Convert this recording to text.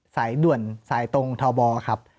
สายด่วนสายตรงทบครับ